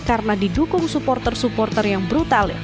karena didukung supporter supporter yang brutal